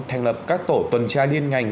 thành lập các tổ tuần tra liên ngành